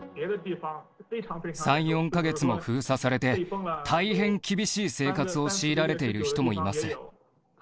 ３、４か月も封鎖されて、大変厳しい生活を強いられている人もいます。